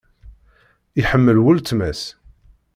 Iḥemmel wletma-s.